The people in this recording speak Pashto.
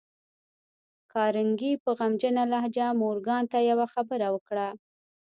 کارنګي په غمجنه لهجه مورګان ته يوه خبره وکړه.